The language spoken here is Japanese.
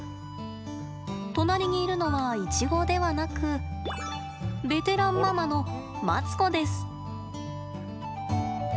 隣にいるのはイチゴではなくベテランママのマツコです。